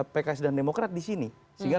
pks dan demokrat disini sehingga